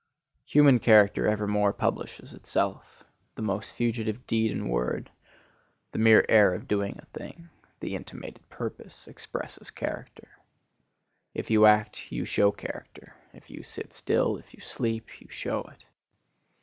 Human character evermore publishes itself. The most fugitive deed and word, the mere air of doing a thing, the intimated purpose, expresses character. If you act you show character; if you sit still, if you sleep, you show it.